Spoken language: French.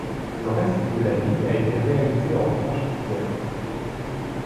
Le reste de la ligne a été réalisée en tranchée couverte.